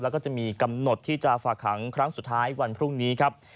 แล้วก็จะมีกำหนดที่จะฝากหางครั้งสุดท้ายวันพรุ่งนี้ครับ